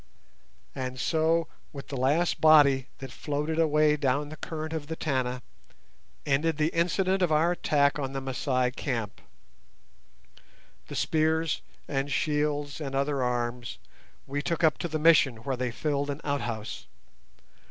And so with the last body that floated away down the current of the Tana ended the incident of our attack on the Masai camp. The spears and shields and other arms we took up to the Mission, where they filled an outhouse.